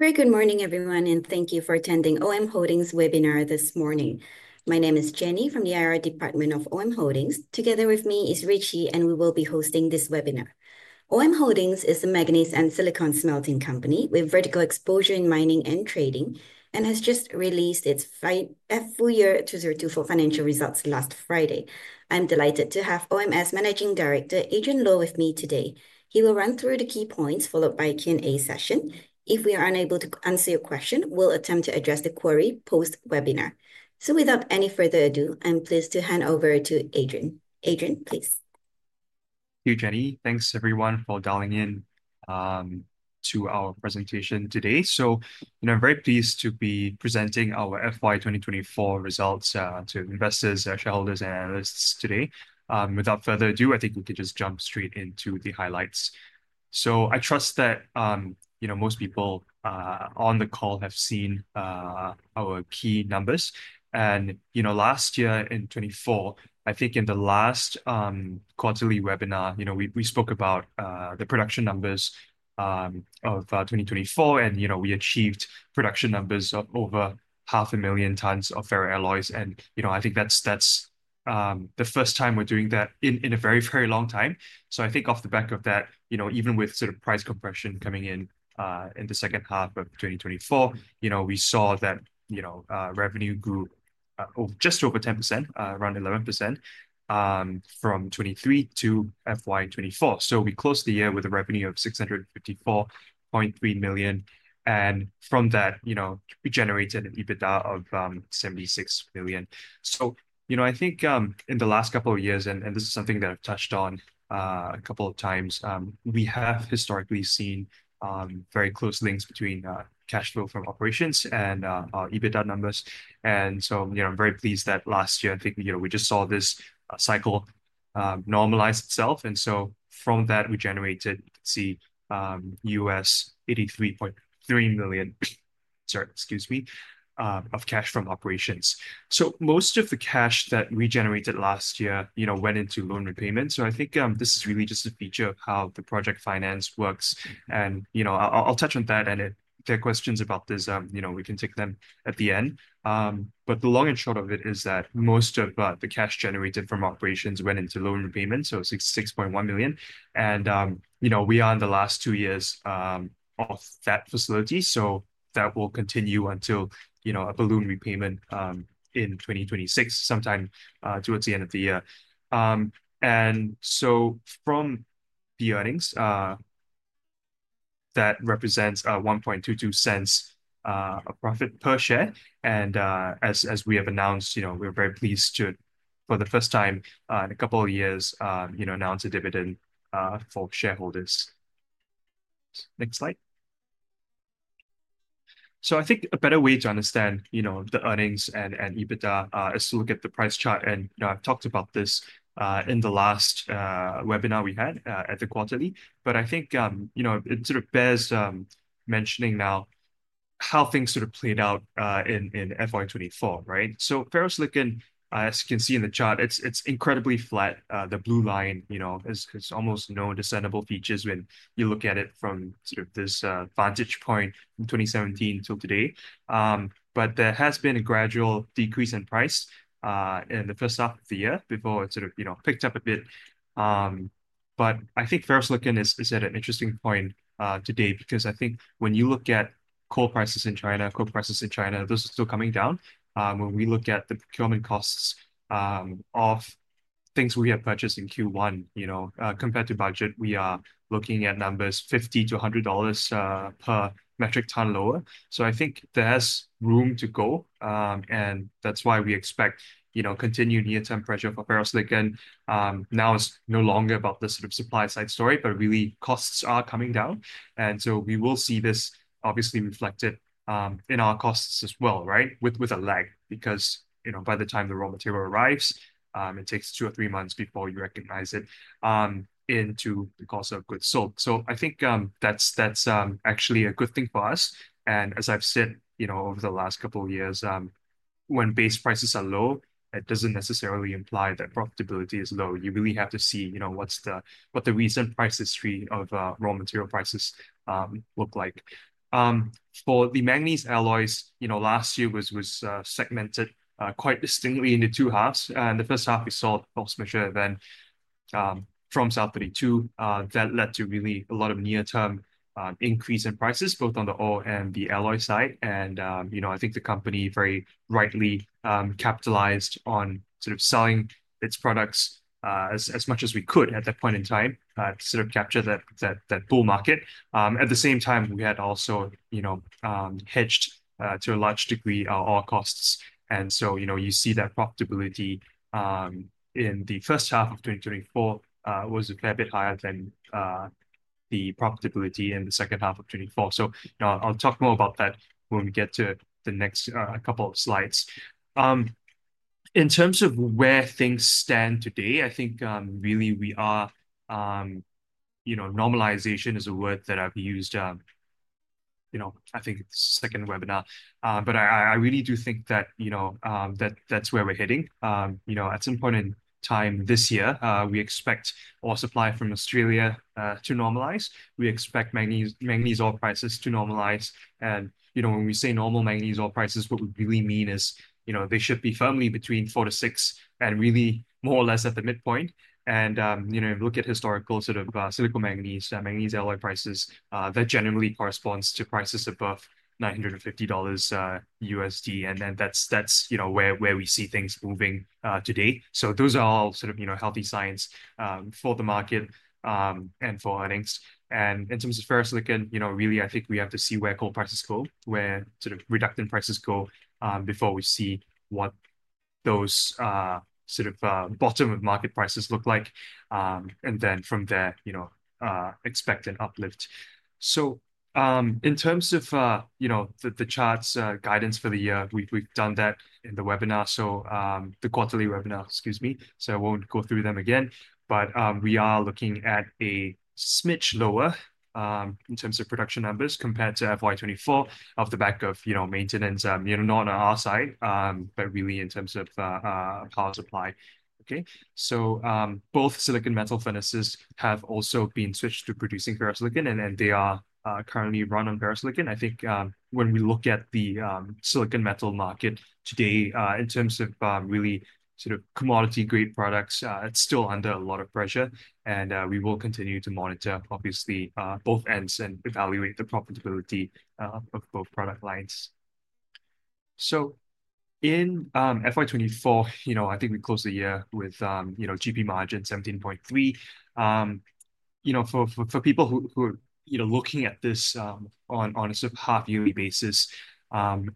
Very good morning, everyone, and thank you for attending OM Holdings' webinar this morning. My name is Jenny from the IR Department of OM Holdings. Together with me is Richie, and we will be hosting this webinar. OM Holdings is a manganese and silicon smelting company with vertical exposure in mining and trading, and has just released its FY24 financial results last Friday. I'm delighted to have OM's Managing Director, Adrian Low, with me today. He will run through the key points, followed by a Q&A session. If we are unable to answer your question, we will attempt to address the query post-webinar. Without any further ado, I'm pleased to hand over to Adrian. Adrian, please. Thank you, Jenny. Thanks, everyone, for dialing in to our presentation today. You know, I'm very pleased to be presenting our FY 2024 results to investors, shareholders, and analysts today. Without further ado, I think we can just jump straight into the highlights. I trust that, you know, most people on the call have seen our key numbers. You know, last year in 2024, I think in the last quarterly webinar, you know, we spoke about the production numbers of 2024, and, you know, we achieved production numbers of over 500,000 tonnes of ferroalloys. You know, I think that's the first time we're doing that in a very, very long time. I think off the back of that, you know, even with sort of price compression coming in in the second half of 2024, you know, we saw that, you know, revenue grew just over 10%, around 11%, from 2023 to FY 2024. We closed the year with a revenue of 654.3 million. From that, you know, we generated an EBITDA of 76 million. I think in the last couple of years, and this is something that I've touched on a couple of times, we have historically seen very close links between cash flow from operations and our EBITDA numbers. You know, I'm very pleased that last year, I think, you know, we just saw this cycle normalize itself. From that, we generated, you can see, 83.3 million, sorry, excuse me, of cash from operations. Most of the cash that we generated last year, you know, went into loan repayment. I think this is really just a feature of how the project finance works. You know, I'll touch on that. If there are questions about this, you know, we can take them at the end. The long and short of it is that most of the cash generated from operations went into loan repayment, so 6.1 million. You know, we are in the last two years of that facility, so that will continue until, you know, a balloon repayment in 2026, sometime towards the end of the year. From the earnings, that represents 1.22 of profit per share. As we have announced, you know, we're very pleased to, for the first time in a couple of years, you know, announce a dividend for shareholders. Next slide. I think a better way to understand, you know, the earnings and EBITDA is to look at the price chart. I have talked about this in the last webinar we had at the quarterly. I think, you know, it sort of bears mentioning now how things sort of played out in FY 2024, right? Ferrosilicon, as you can see in the chart, is incredibly flat. The blue line, you know, has almost no discernible features when you look at it from this vantage point from 2017 till today. There has been a gradual decrease in price in the first half of the year before it, you know, picked up a bit. I think ferrosilicon is at an interesting point today because when you look at coal prices in China, coal prices in China, those are still coming down. When we look at the procurement costs of things we have purchased in Q1, you know, compared to budget, we are looking at numbers 50-100 dollars per metric tonne lower. I think there's room to go. That is why we expect, you know, continued near-term pressure for ferrosilicon. Now it's no longer about the sort of supply-side story, but really costs are coming down. We will see this obviously reflected in our costs as well, right, with a lag because, you know, by the time the raw material arrives, it takes two or three months before you recognize it into the cost of goods sold. I think that's actually a good thing for us. As I've said, you know, over the last couple of years, when base prices are low, it doesn't necessarily imply that profitability is low. You really have to see, you know, what is the recent price history of raw material prices look like. For the manganese alloys, you know, last year was segmented quite distinctly into two halves. In the first half, we saw a force majeure event from South32 that led to really a lot of near-term increase in prices, both on the ore and the alloy side. You know, I think the company very rightly capitalized on sort of selling its products as much as we could at that point in time to sort of capture that bull market. At the same time, we had also, you know, hedged to a large degree our costs. You know, you see that profitability in the first half of 2024 was a fair bit higher than the profitability in the second half of 2024. I'll talk more about that when we get to the next couple of slides. In terms of where things stand today, I think really we are, you know, normalization is a word that I've used, you know, I think it's the second webinar. I really do think that, you know, that's where we're heading. You know, at some point in time this year, we expect our supply from Australia to normalize. We expect manganese ore prices to normalize. You know, when we say normal manganese ore prices, what we really mean is, you know, they should be firmly between 4-6 and really more or less at the midpoint. You know, look at historical sort of silicomanganese, manganese alloy prices. That generally corresponds to prices above $950. That's, you know, where we see things moving today. Those are all sort of, you know, healthy signs for the market and for earnings. In terms of ferrosilicon, you know, really, I think we have to see where coal prices go, where sort of reduction prices go before we see what those sort of bottom-of-market prices look like. From there, you know, expect an uplift. In terms of, you know, the charts, guidance for the year, we've done that in the webinar, the quarterly webinar, excuse me. I won't go through them again. We are looking at a smidge lower in terms of production numbers compared to FY 2024 off the back of, you know, maintenance, you know, not on our side, but really in terms of power supply. Both silicon metal furnaces have also been switched to producing ferrosilicon, and they are currently run on ferrosilicon. I think when we look at the silicon metal market today, in terms of really sort of commodity-grade products, it's still under a lot of pressure. We will continue to monitor, obviously, both ends and evaluate the profitability of both product lines. In FY 2024, you know, I think we closed the year with, you know, GP margin 17.3%. You know, for people who are, you know, looking at this on a sort of half-yearly basis, and,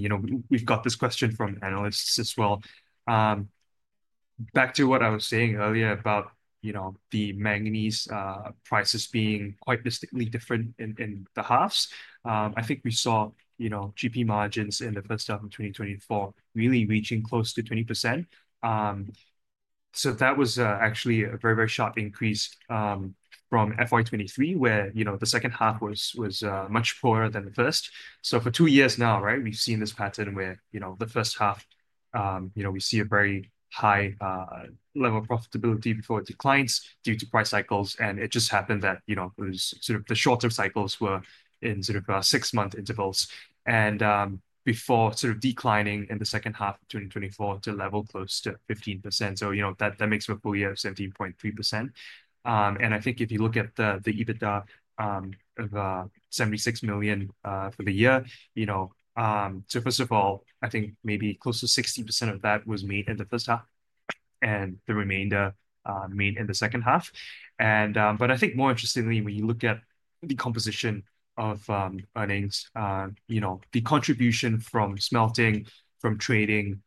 you know, we've got this question from analysts as well. Back to what I was saying earlier about, you know, the manganese prices being quite distinctly different in the halves. I think we saw, you know, GP margins in the first half of 2024 really reaching close to 20%. That was actually a very, very sharp increase from FY 2023, where, you know, the second half was much poorer than the first. For two years now, right, we've seen this pattern where, you know, the first half, you know, we see a very high level of profitability before it declines due to price cycles. It just happened that, you know, it was sort of the shorter cycles were in sort of six-month intervals. Before sort of declining in the second half of 2024 to a level close to 15%. That makes a full year of 17.3%. I think if you look at the EBITDA of 76 million for the year, you know, so first of all, I think maybe close to 60% of that was made in the first half, and the remainder made in the second half. I think more interestingly, when you look at the composition of earnings, you know, the contribution from smelting, from trading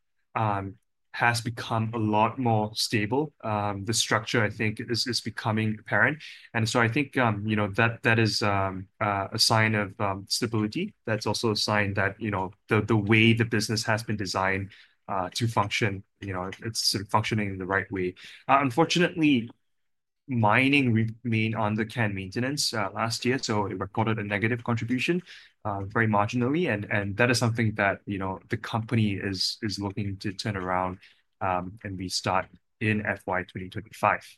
has become a lot more stable. The structure, I think, is becoming apparent. I think, you know, that is a sign of stability. That's also a sign that, you know, the way the business has been designed to function, you know, it's sort of functioning in the right way. Unfortunately, mining remained under care and maintenance last year. It recorded a negative contribution very marginally. That is something that, you know, the company is looking to turn around and restart in FY 2025.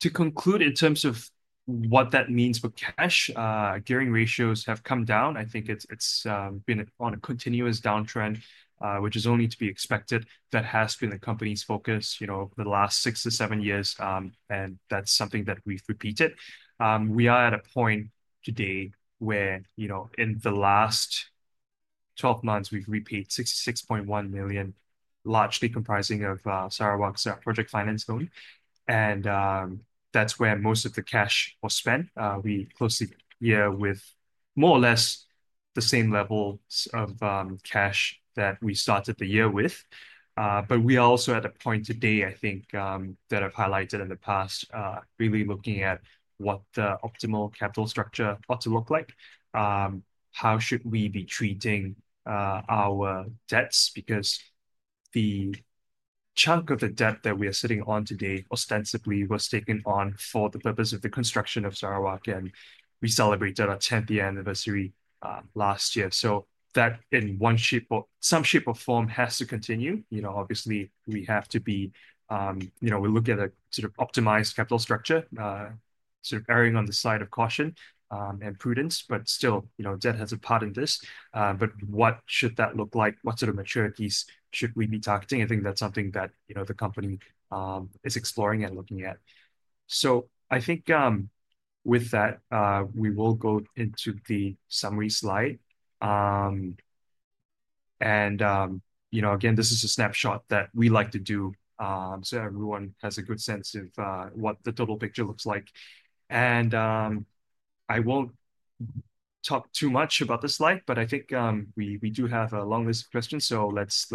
To conclude, in terms of what that means for cash, gearing ratios have come down. I think it's been on a continuous downtrend, which is only to be expected. That has been the company's focus, you know, over the last six to seven years. And that's something that we've repeated. We are at a point today where, you know, in the last 12 months, we've repaid 66.1 million, largely comprising of Sarawak's project finance loan. That's where most of the cash was spent. We closed the year with more or less the same level of cash that we started the year with. We are also at a point today, I think, that I've highlighted in the past, really looking at what the optimal capital structure ought to look like. How should we be treating our debts? Because the chunk of the debt that we are sitting on today ostensibly was taken on for the purpose of the construction of Sarawak. We celebrated our 10th year anniversary last year. That in one shape or some shape or form has to continue. You know, obviously, we have to be, you know, we look at a sort of optimized capital structure, sort of erring on the side of caution and prudence. But still, you know, debt has a part in this. What should that look like? What sort of maturities should we be targeting? I think that's something that, you know, the company is exploring and looking at. I think with that, we will go into the summary slide. You know, again, this is a snapshot that we like to do so everyone has a good sense of what the total picture looks like. I won't talk too much about the slide, but I think we do have a long list of questions. Let's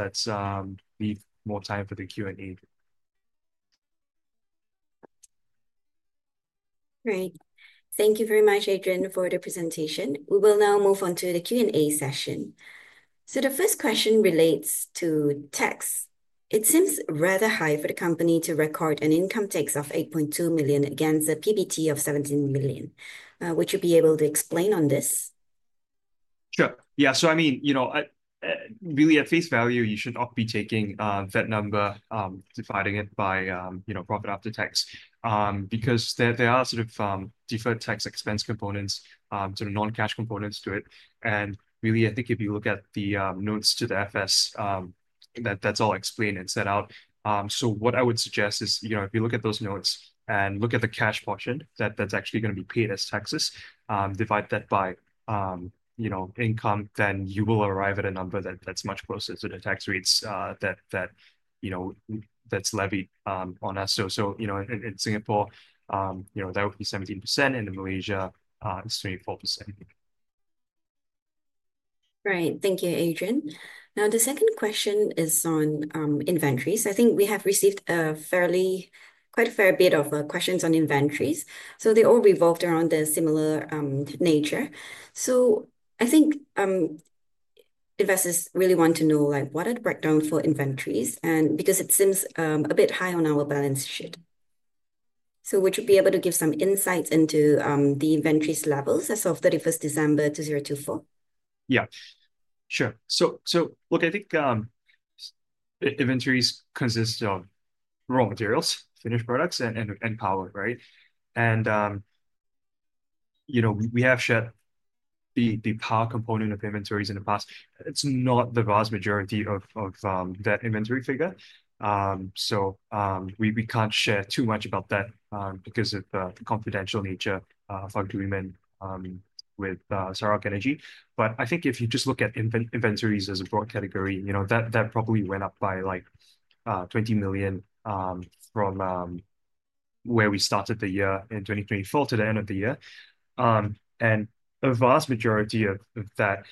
leave more time for the Q&A. Great. Thank you very much, Adrian, for the presentation. We will now move on to the Q&A session. The first question relates to tax. It seems rather high for the company to record an income tax of 8.2 million against a PBT of 17 million. Would you be able to explain on this? Sure. Yeah. I mean, you know, really at face value, you should not be taking that number, dividing it by, you know, profit after tax, because there are sort of deferred tax expense components, sort of non-cash components to it. Really, I think if you look at the notes to the FS, that's all explained and set out. What I would suggest is, you know, if you look at those notes and look at the cash portion that's actually going to be paid as taxes, divide that by, you know, income, then you will arrive at a number that's much closer to the tax rates that, you know, that's levied on us. You know, in Singapore, you know, that would be 17%. In Malaysia, it's 24%. Great. Thank you, Adrian. Now, the second question is on inventories. I think we have received a fairly, quite a fair bit of questions on inventories. They all revolved around the similar nature. I think investors really want to know, like, what are the breakdowns for inventories? Because it seems a bit high on our balance sheet, would you be able to give some insights into the inventories levels as of 31st December 2024? Yeah. Sure. I think inventories consist of raw materials, finished products, and power, right? You know, we have shared the power component of inventories in the past. It's not the vast majority of that inventory figure. We can't share too much about that because of the confidential nature of our agreement with Sarawak Energy. I think if you just look at inventories as a broad category, you know, that probably went up by like 20 million from where we started the year in 2024 to the end of the year. A vast majority of that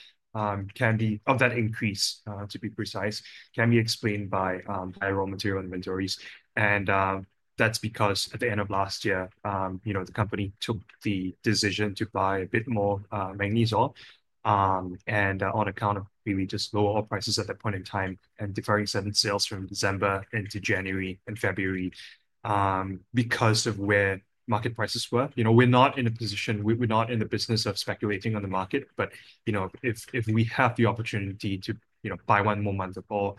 can be, of that increase, to be precise, can be explained by higher raw material inventories. That's because at the end of last year, you know, the company took the decision to buy a bit more manganese ore. On account of really just lower ore prices at that point in time and deferring certain sales from December into January and February because of where market prices were. You know, we're not in a position, we're not in the business of speculating on the market. You know, if we have the opportunity to, you know, buy one more month of ore,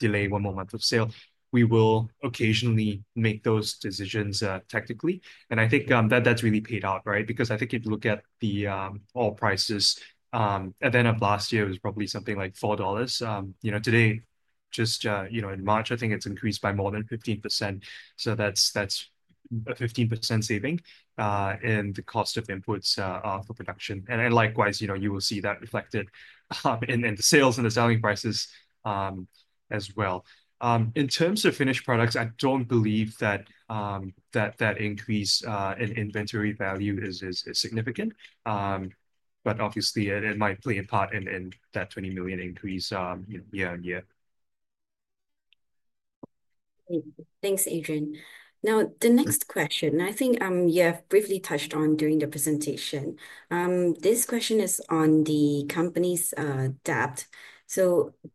delay one more month of sale, we will occasionally make those decisions technically. I think that that's really paid out, right? I think if you look at the ore prices, at the end of last year, it was probably something like 4 dollars. You know, today, just, you know, in March, I think it's increased by more than 15%. That's a 15% saving in the cost of inputs for production. Likewise, you know, you will see that reflected in the sales and the selling prices as well. In terms of finished products, I do not believe that that increase in inventory value is significant. Obviously, it might play a part in that 20 million increase year-on-year. Thanks, Adrian. Now, the next question, I think you have briefly touched on during the presentation. This question is on the company's debt.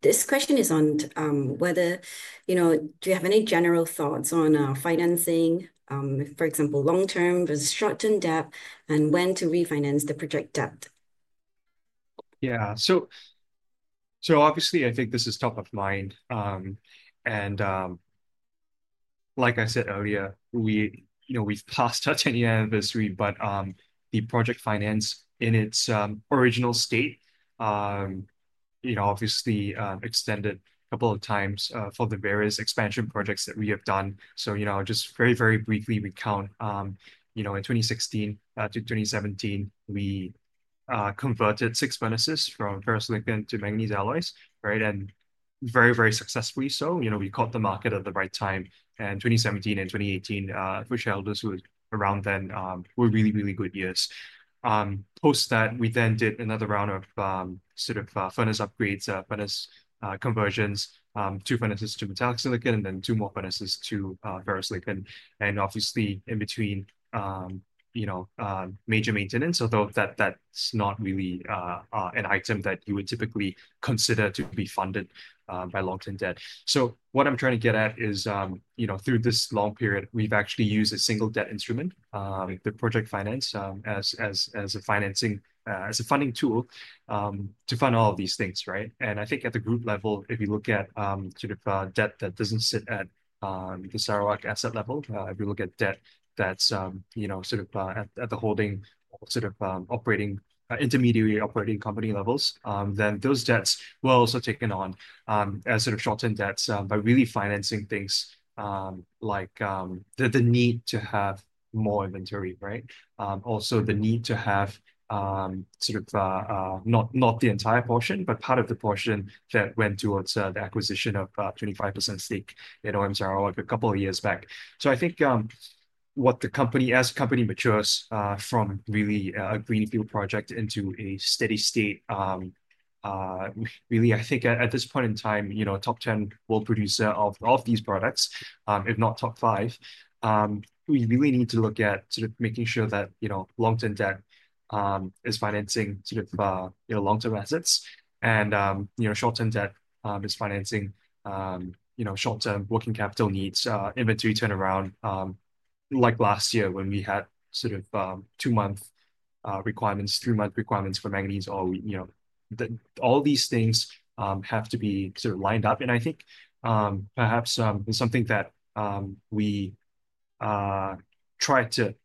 This question is on whether, you know, do you have any general thoughts on financing, for example, long-term versus short-term debt, and when to refinance the project debt? Yeah. Obviously, I think this is top of mind. Like I said earlier, we, you know, we have passed our 10-year anniversary, but the project finance in its original state, you know, obviously extended a couple of times for the various expansion projects that we have done. You know, just very, very briefly, we count, you know, in 2016-2017, we converted six furnaces from ferrosilicon to manganese alloys, right? Very, very successfully so. You know, we caught the market at the right time. In 2017 and 2018, for shareholders who were around then, those were really, really good years. Post that, we then did another round of sort of furnace upgrades, furnace conversions, two furnaces to silicon metal, and then two more furnaces to ferrosilicon. Obviously, in between, you know, major maintenance, although that's not really an item that you would typically consider to be funded by long-term debt. What I'm trying to get at is, you know, through this long period, we've actually used a single debt instrument, the project finance, as a financing, as a funding tool to fund all of these things, right? I think at the group level, if you look at sort of debt that does not sit at the Sarawak asset level, if you look at debt that is, you know, sort of at the holding sort of operating, intermediary operating company levels, then those debts were also taken on as sort of short-term debts by really financing things like the need to have more inventory, right? Also, the need to have sort of not the entire portion, but part of the portion that went towards the acquisition of 25% stake in OM Sarawak a couple of years back. I think what the company, as the company matures from really a greenfield project into a steady state, really, I think at this point in time, you know, a top 10 world producer of these products, if not top five, we really need to look at sort of making sure that, you know, long-term debt is financing sort of, you know, long-term assets. You know, short-term debt is financing, you know, short-term working capital needs, inventory turnaround, like last year when we had sort of two-month requirements, three-month requirements for manganese ore, you know, all these things have to be sort of lined up. I think perhaps it's something that we tried to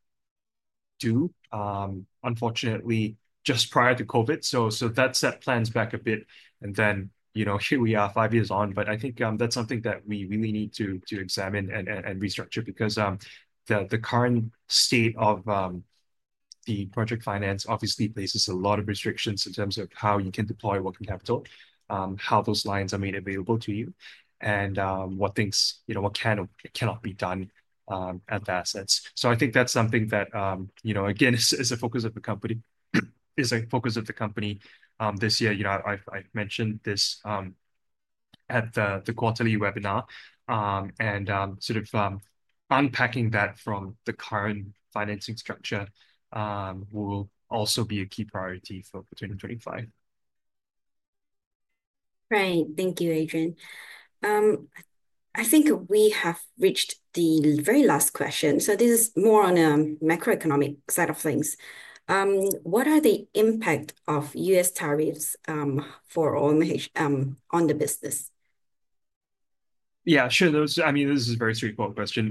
do, unfortunately, just prior to COVID. That set plans back a bit. You know, here we are five years on. I think that's something that we really need to examine and restructure because the current state of the project finance obviously places a lot of restrictions in terms of how you can deploy working capital, how those lines are made available to you, and what things, you know, what can or cannot be done at the assets. I think that's something that, you know, again, is a focus of the company, is a focus of the company this year. You know, I've mentioned this at the quarterly webinar. Sort of unpacking that from the current financing structure will also be a key priority for 2025. Great. Thank you, Adrian. I think we have reached the very last question. This is more on a macroeconomic side of things. What are the impact of U.S. tariffs for OM Holdings on the business? Yeah, sure. I mean, this is a very straightforward question.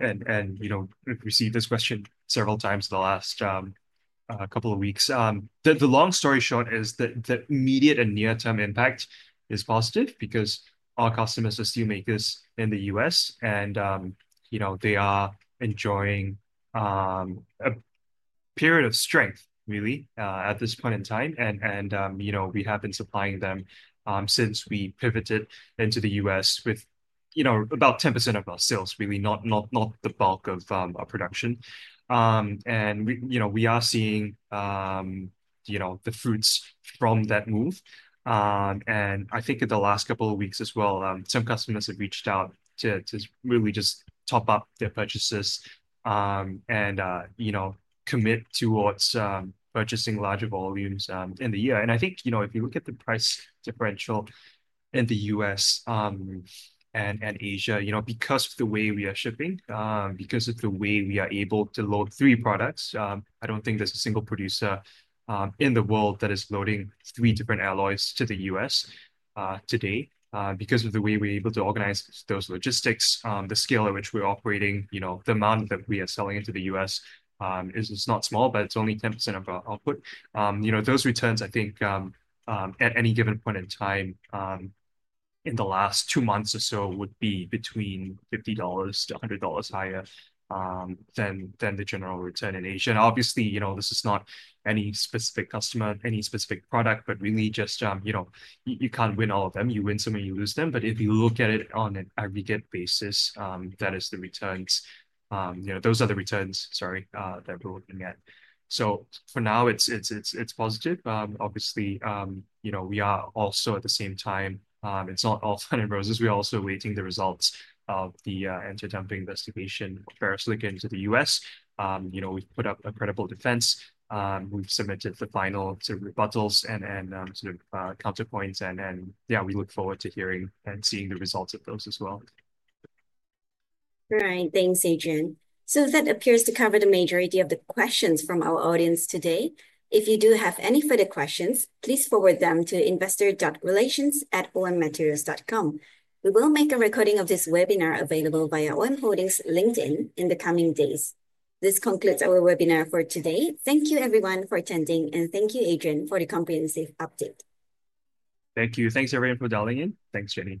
You know, we've received this question several times in the last couple of weeks. The long story short is that the immediate and near-term impact is positive because our customers are steelmakers in the U.S.. You know, they are enjoying a period of strength, really, at this point in time. You know, we have been supplying them since we pivoted into the U.S. with about 10% of our sales, really, not the bulk of our production. You know, we are seeing, you know, the fruits from that move. I think in the last couple of weeks as well, some customers have reached out to really just top up their purchases and, you know, commit towards purchasing larger volumes in the year. I think, you know, if you look at the price differential in the U.S. and Asia, you know, because of the way we are shipping, because of the way we are able to load three products, I do not think there is a single producer in the world that is loading three different alloys to the U.S. today. Because of the way we are able to organize those logistics, the scale at which we are operating, you know, the amount that we are selling into the U.S. is not small, but it is only 10% of our output. You know, those returns, I think, at any given point in time in the last two months or so would be between 50-100 dollars higher than the general return in Asia. Obviously, you know, this is not any specific customer, any specific product, but really just, you know, you cannot win all of them. You win some and you lose them. If you look at it on an aggregate basis, that is the returns. You know, those are the returns, sorry, that we're looking at. For now, it's positive. Obviously, you know, we are also at the same time, it's not all sun and roses. We're also awaiting the results of the anti-dumping investigation of ferrosilicon to the U.S.. You know, we've put up a credible defense. We've submitted the final sort of rebuttals and sort of counterpoints. Yeah, we look forward to hearing and seeing the results of those as well. All right. Thanks, Adrian. That appears to cover the majority of the questions from our audience today. If you do have any further questions, please forward them to investor.relations@omholdings.com. We will make a recording of this webinar available via OM Holdings LinkedIn in the coming days. This concludes our webinar for today. Thank you, everyone, for attending. Thank you, Adrian, for the comprehensive update. Thank you. Thanks, everyone, for dialing in. Thanks, Jenny.